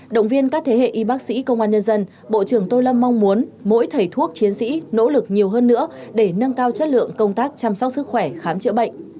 động viên các thế hệ y bác sĩ công an nhân dân bộ trưởng tô lâm mong muốn mỗi thầy thuốc chiến sĩ nỗ lực nhiều hơn nữa để nâng cao chất lượng công tác chăm sóc sức khỏe khám chữa bệnh